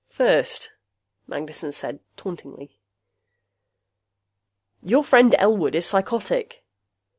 "First," Magnessen said tauntingly. "Your friend Elwood is psychotic."